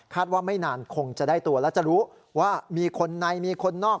ว่าไม่นานคงจะได้ตัวและจะรู้ว่ามีคนในมีคนนอก